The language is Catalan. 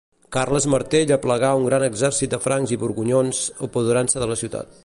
Carles Martell aplegà un gran exèrcit de francs i borgonyons, apoderant-se de la ciutat.